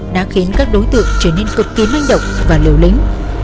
đã khiến các đối tượng trở nên cực kỳ manh động và liều lĩnh